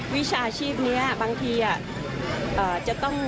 วิชาชีพนี้บางทีอ่ะ